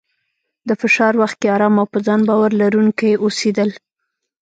د فشار وخت کې ارام او په ځان باور لرونکی اوسېدل،